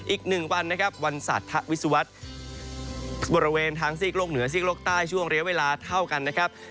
อีกหนึ่งวันนะครับวันสาธวิศวรรษบริเวณทางซีกโลกเหนือซีกโลกใต้ช่วงเรียกเวลาเท่ากันนะครับ